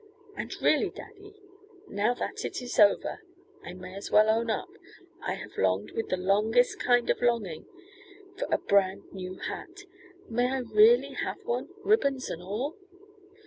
And really, daddy, now that it is over, I may as well own up, I have longed with the longest kind of longing for a brand new hat. May I really have one? Ribbons and all?"